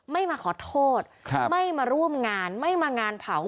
ไม่มาขอโทษไม่มาร่วมงานไม่มางานเผา